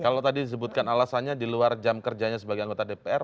kalau tadi disebutkan alasannya di luar jam kerjanya sebagai anggota dpr